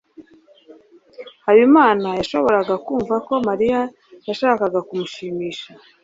habimana yashoboraga kumva ko mariya yashakaga kumushimisha